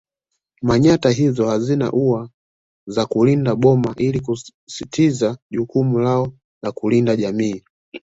Manyatta hizo hazina ua za kulinda boma ili kusisitiza jukumu lao la kulinda jamii